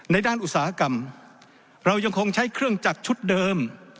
ด้านอุตสาหกรรมเรายังคงใช้เครื่องจักรชุดเดิม